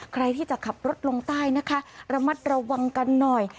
ใครที่จะขับรถลงใต้นะคะระมัดระวังกันหน่อย